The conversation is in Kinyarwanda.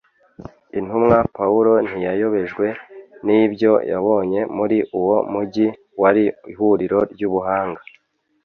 Intumwa Pawulo ntiyayobejwe n’ibyo yabonye muri uwo mujyi wari ihuriro ry’ubuhanga.